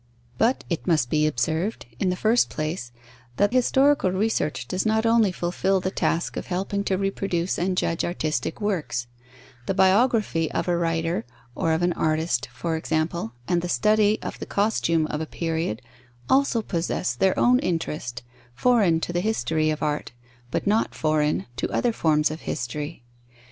But, it must be observed, in the first place, that historical research does not only fulfil the task of helping to reproduce and judge artistic works: the biography of a writer or of an artist, for example, and the study of the costume of a period, also possess their own interest, foreign to the history of art, but not foreign to other forms of history.